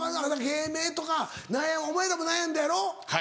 芸名とかお前らも悩んだやろ？